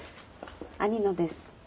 兄のです。